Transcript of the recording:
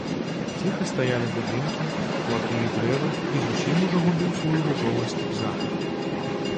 Ціха стаялі будынкі, платы і дрэвы, і зусім ужо губіў сваю ружовасць захад.